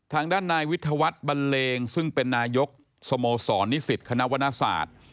ทางด้านนายวิทยาวัฒน์บันเลงซึ่งเป็นนายกสโมสรนิสิตคณะวรรณศาสตร์